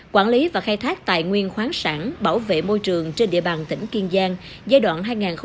quản lý và khai thác tài nguyên khoáng sản bảo vệ môi trường trên địa bàn tỉnh kiên giang giai đoạn hai nghìn một mươi bốn hai nghìn hai mươi